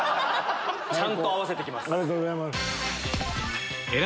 ちゃんと合わせて来ます。